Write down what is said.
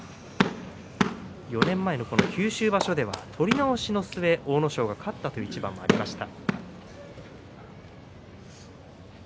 ４年前の九州場所では取り直しの末、阿武咲が勝ったという一番もありました。